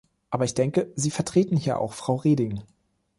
Aber ich denke, Sie vertreten hier auch Frau Reding.